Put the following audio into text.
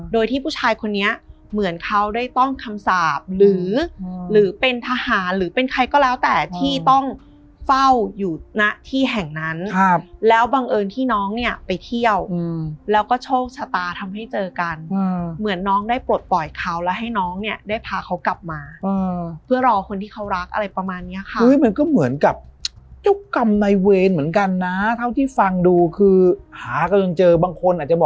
โดยที่ผู้ชายคนนี้เหมือนเขาได้ต้องคำสาปหรือหรือเป็นทหารหรือเป็นใครก็แล้วแต่ที่ต้องเฝ้าอยู่หน้าที่แห่งนั้นครับแล้วบังเอิญที่น้องเนี้ยไปเที่ยวอืมแล้วก็โชคชะตาทำให้เจอกันอืมเหมือนน้องได้ปลดปล่อยเขาแล้วให้น้องเนี้ยได้พาเขากลับมาอืมเพื่อรอคนที่เขารักอะไรประมาณเนี้ยค่ะเฮ้ยมันก็เหมือนกับ